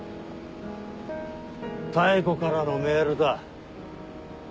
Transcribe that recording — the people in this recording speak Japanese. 妙子からのメールだ。